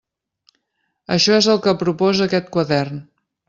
Això és el que proposa aquest quadern.